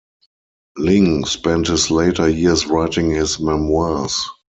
Lyng spent his later years writing his memoirs.